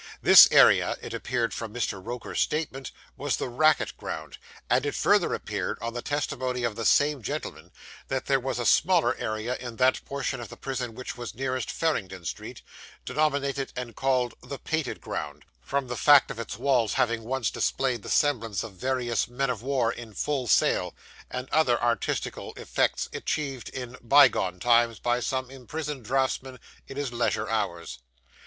This area, it appeared from Mr. Roker's statement, was the racket ground; and it further appeared, on the testimony of the same gentleman, that there was a smaller area in that portion of the prison which was nearest Farringdon Street, denominated and called 'the Painted Ground,' from the fact of its walls having once displayed the semblance of various men of war in full sail, and other artistical effects achieved in bygone times by some imprisoned draughtsman in his leisure hours.